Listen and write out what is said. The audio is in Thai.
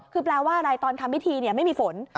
คือแปลว่าอะไรตอนทำพิธีไม่มีฝน